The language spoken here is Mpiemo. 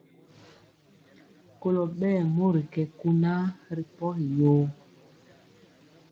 Kolɔ ɓɛɛ mori kɛ kunaa ri pɔgi yoo.